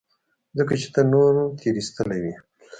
ځکه چې ته نورو تېرايستلى وې.